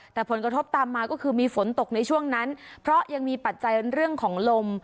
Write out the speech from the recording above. แต่ผลกระทบตามมาก็คือมีฝนตกในช่วงนั้นเพราะยังมีปัจจัยเรื่องของลม